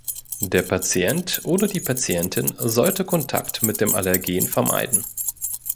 Der Patient oder die Patientin sollte Kontakt mit dem Allergen vermeiden.